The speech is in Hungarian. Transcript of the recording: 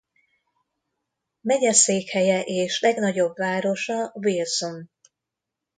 Megyeszékhelye és legnagyobb városa Wilson.